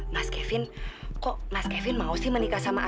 mas kevin kok mas kevin mau sih menikah sama anak